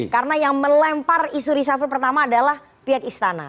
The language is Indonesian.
karena yang melempar isu risafir pertama adalah pihak istana